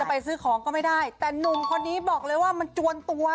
ไปซื้อของก็ไม่ได้แต่หนุ่มคนนี้บอกเลยว่ามันจวนตัว